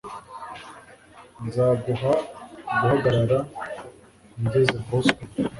nzaguha guhamagara ngeze i boston